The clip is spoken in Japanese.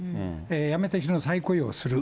辞めた人の再雇用をする。